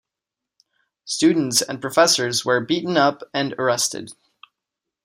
Students and professors were beaten up and arrested.